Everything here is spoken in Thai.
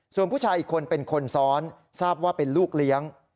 ส่วนผู้ชายอีกคนเป็นคนซ้อนทราบว่าเป็นลูกเลี้ยง